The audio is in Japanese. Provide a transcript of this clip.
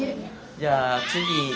じゃあ次。